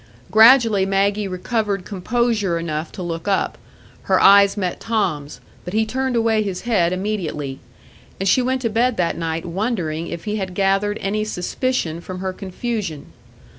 Gradually Maggie recovered composure enough to look up; her eyes met Tom's, but he turned away his head immediately; and she went to bed that night wondering if he had gathered any suspicion from her confusion.